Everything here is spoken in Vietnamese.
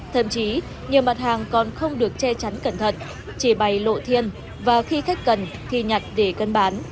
thậm chí nhiều mặt hàng còn không được che chắn cẩn thận chỉ bày lộ thiên và khi khách cần thì nhặt để cân bán